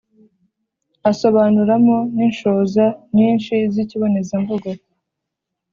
asobanuramo n’inshoza nyinshi z’ikibonezamvugo